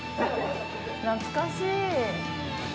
懐かしい。